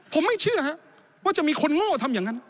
ผมไม่เชื่อว่าจะมีคนโง่ทำอย่างนั้น